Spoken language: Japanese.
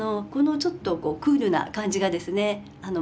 このちょっとクールな感じがですね